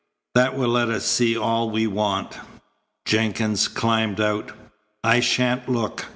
That will let us see all we want." Jenkins climbed out. "I shan't look.